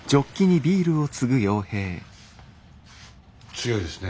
強いですね。